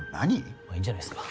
まあいいんじゃないっすか。